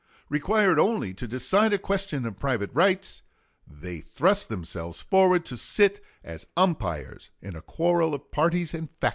Required only to decide a question of private rights, they thrust themselves forward to sit as umpires in a quarrel of parties and factions.